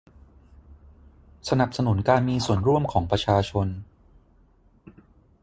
สนับสนุนการมีส่วนร่วมของประชาชน